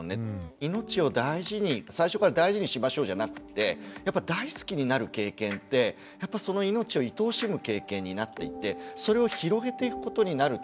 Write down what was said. いのちを大事に最初から大事にしましょうじゃなくってやっぱ大好きになる経験ってやっぱそのいのちをいとおしむ経験になっていってそれを広げていくことになると思うんですよね。